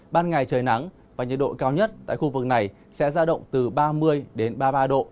ban ngày trời nắng và nhiệt độ cao nhất tại khu vực này sẽ ra động từ ba mươi ba mươi ba độ